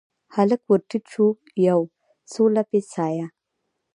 هلک ورټیټ شو یو، څو لپې سایه